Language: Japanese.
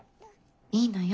いいのよ